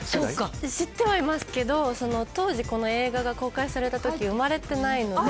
知ってはいますけど当時この映画が公開された時生まれてないので。